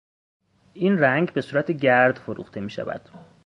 این رنگ به صورت گرد فروخته میشود.